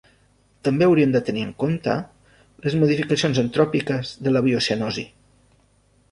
També hauríem de tenir en compte les modificacions antròpiques de la biocenosi.